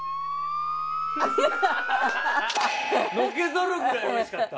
のけぞるぐらいおいしかった？